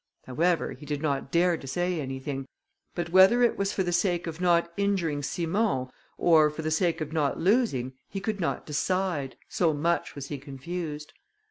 However, he did not dare to say anything; but whether it was for the sake of not injuring Simon, or for the sake of not losing, he could not decide, so much was he confused.